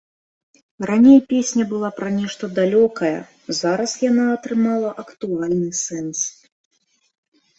Раней песня была пра нешта далёкае, зараз яна атрымала актуальны сэнс.